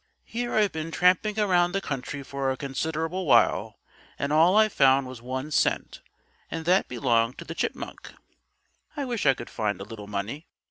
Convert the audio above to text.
"Here I've been tramping around the country for a considerable while, and all I've found was one cent, and that belonged to the chipmunk. "I wish I could find a little money.